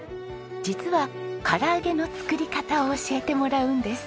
実は唐揚げの作り方を教えてもらうんです。